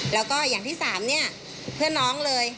แล้วก็อย่างที่สามเนี่ยเพื่อนน้องเลย